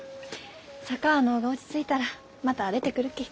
佐川の方が落ち着いたらまた出てくるき。